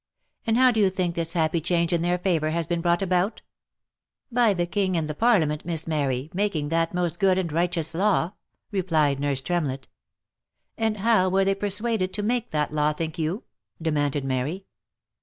And how do you think this happy change in their favour has been brought about ?"" By the king and the parliament, Miss Mary, making that most good and righteous law," replied nurse Tremlett. " And how were they persuaded to make that law, think you?" de manded Mary.